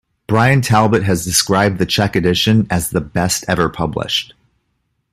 Bryan Talbot has described the Czech edition as "the best ever published".